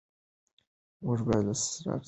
موږ باید له اسراف څخه ځان وساتو.